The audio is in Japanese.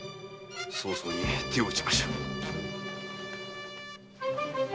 早々に手を打ちましょう。